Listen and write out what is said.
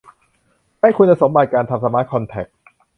ใช้คุณสมบัติการทำสมาร์ทคอนแทร็ก